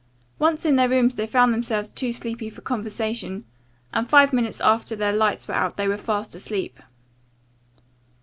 Once in their rooms they found themselves too sleepy for conversation and five minutes after their lights were out they were fast asleep.